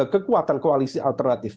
kekuatan koalisi alternatif